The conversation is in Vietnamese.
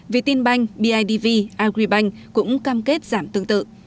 vietinbank bidv agribank cũng cam kết giảm tương tự